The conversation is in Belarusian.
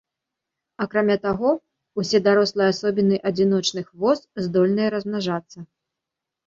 Акрамя таго, усе дарослыя асобіны адзіночных вос здольныя размнажацца.